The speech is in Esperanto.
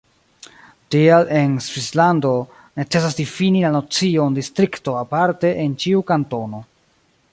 Tial en Svislando necesas difini la nocion distrikto aparte en ĉiu kantono.